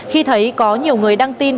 khi thấy có nhiều người đăng tin